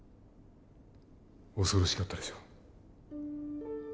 恐ろしかったでしょう？